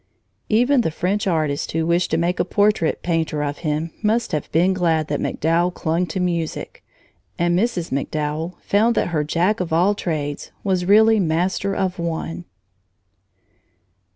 Even the French artist who wished to make a portrait painter of him must have been glad that MacDowell clung to music, and Mrs. MacDowell found that her Jack of all trades was really master of one.